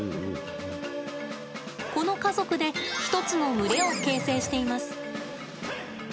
この家族で一つの群れを形成しています。